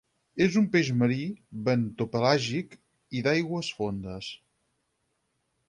És un peix marí, bentopelàgic i d'aigües fondes.